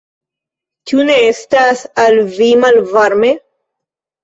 Ĉu ne estas al vi malvarme?